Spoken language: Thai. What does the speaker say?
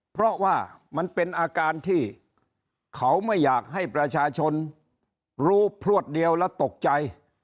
เพราะว่ามันเป็นอาการที่เขาไม่อยากให้ประชาชนรู้พลวดเดียวและตกใจ